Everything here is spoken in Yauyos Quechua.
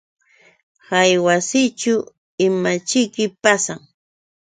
Hay wasićhu ¿imaćhiki pasan?